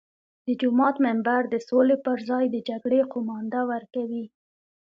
د جومات منبر د سولې پر ځای د جګړې قومانده ورکوي.